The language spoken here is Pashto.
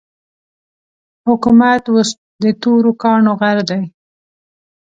حکومت اوس د تورو کاڼو غر دی.